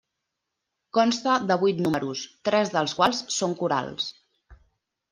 Consta de vuit números, tres dels quals són corals.